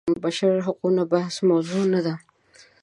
بشر حقونه بحث موضوع نه وه.